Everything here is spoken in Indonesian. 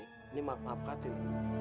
ini maaf maaf kak tim